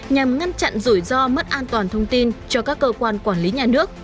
nhằm ngăn chặn rủi ro mất an toàn thông tin cho các cơ quan quản lý nhà nước